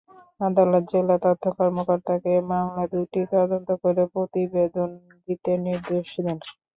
আদালত জেলা তথ্য কর্মকর্তাকে মামলা দুটি তদন্ত করে প্রতিবেদন দিতে নির্দেশ দেন।